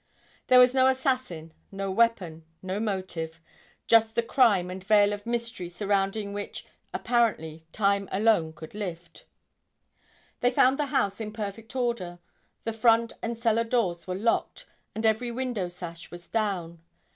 There was no assassin, no weapon, no motive; just the crime and veil of mystery surrounding which apparently time alone could lift. They found the house in perfect order. The front and cellar doors were locked; and every window sash was down.